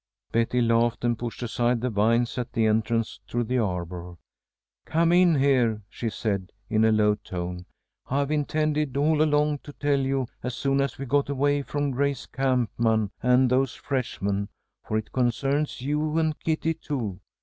Betty laughed and pushed aside the vines at the entrance to the arbor. "Come in here," she said, in a low tone. "I've intended all along to tell you as soon as we got away from Grace Campman and those freshmen, for it concerns you and Kitty, too.